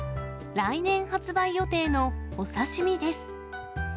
来年発売予定のお刺身です。